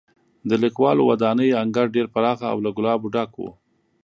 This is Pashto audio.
د لیکوالو ودانۍ انګړ ډېر پراخه او له ګلابو ډک و.